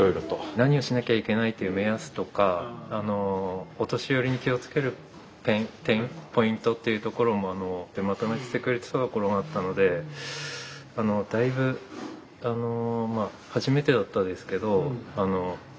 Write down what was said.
「何をしなきゃいけない」っていう目安とかお年寄りに気を付ける点ポイントっていうところもまとめててくれたところもあったのでだいぶ初めてだったんですけど入りやすかったかな。